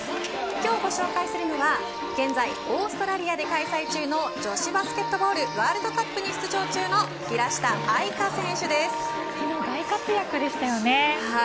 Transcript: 今日ご紹介するのは、現在オーストラリアで開催中の女子バスケットボールワールドカップに出場中の昨日、大活躍でしたよね。